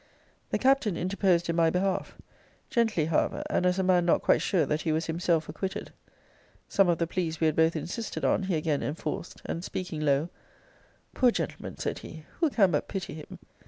The Captain interposed in my behalf; gently, however, and as a man not quite sure that he was himself acquitted. Some of the pleas we had both insisted on he again enforced; and, speaking low, Poor gentleman! said he, who can but pity him?